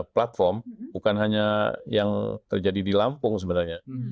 platform bukan hanya yang terjadi di lampung sebenarnya